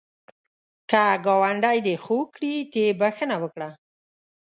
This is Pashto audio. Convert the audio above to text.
که ګاونډی دی خوږ کړي، ته یې بخښه وکړه